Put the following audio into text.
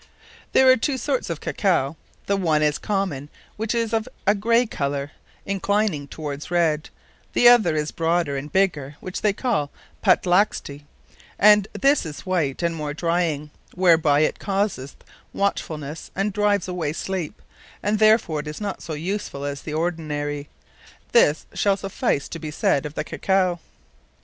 There are two sorts of Cacao; the one is common, which is of a gray colour, inclining towards red; the other is broader and bigger, which they call Patlaxte, and this is white, and more drying; whereby it causeth watchfulnesse, and drives away sleepe, and therefore it is not so usefull, as the ordinary. This shall suffice to be said of the Cacao.